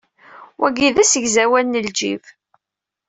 Wagi d asegzawal n lǧib.